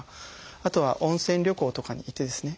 あとは温泉旅行とかに行ってですね